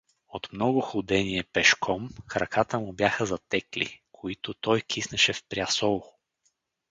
От много ходение пешком краката му бяха затекли, които той киснеше в прясол.